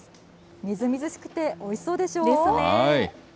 みずみずしくて、おいしそうでしですね。